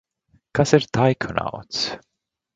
Kas ir taikonauts?